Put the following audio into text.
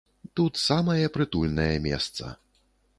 Тут самае прытульнае месца.